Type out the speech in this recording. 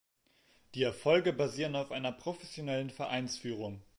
Die Erfolge basieren auf einer professionellen Vereinsführung.